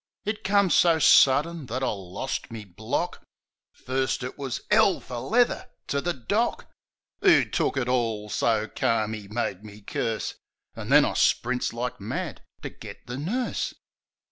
It come so sudden that I lorst me block. First, it was, 'Ell fer leather to the doc, 'Oo took it all so calm 'e made me curse — An' then I sprints like mad to get the nurse.